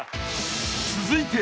［続いて］